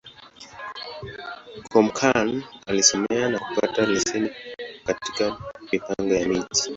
Kúmókụn alisomea, na kupata leseni katika Mipango ya Miji.